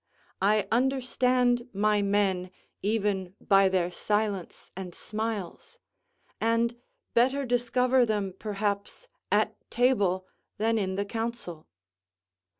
I understand my men even by their silence and smiles; and better discover them, perhaps, at table than in the council.